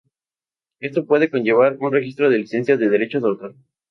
Esto puede conllevar un registro de licencias de derechos de autor.